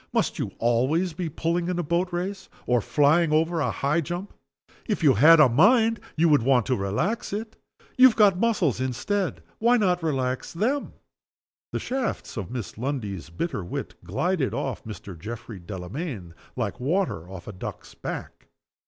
"Must you always be pulling in a boat race, or flying over a high jump? If you had a mind, you would want to relax it. You have got muscles instead. Why not relax them?" The shafts of Miss Lundie's bitter wit glided off Mr. Geoffrey Delamayn like water off a duck's back.